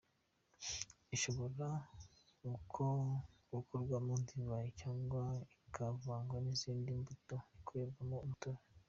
Ishobora gukorwamo divayi cyangwa ikavangwa n’izindi mbuto igakorwamo umutobe.